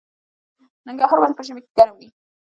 ننګرهار ولې په ژمي کې ګرم وي؟